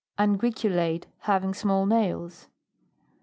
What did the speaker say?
UNGUICULATE. Having small nails.